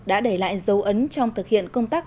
đã để lại dấu ấn trong thực hiện công tác